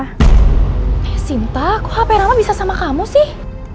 eh sinta kok hp rama bisa sama kamu sih